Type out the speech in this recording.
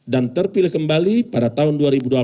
dan terpilih kembali pada tahun dua ribu delapan belas